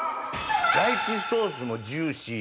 ライチソースもジューシーやし